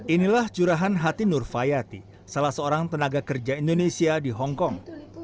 inilah curahan hati nur fayati salah seorang tenaga kerja indonesia di hongkong